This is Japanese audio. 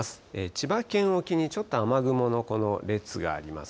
千葉県沖にちょっと雨雲のこの列があります。